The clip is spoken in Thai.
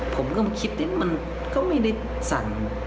ผมก็คิดมันก็ไม่ได้สั่น